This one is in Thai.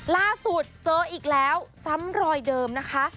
ล่าสุดเจออีกแล้วซ้ำรอยเดิมนะคะ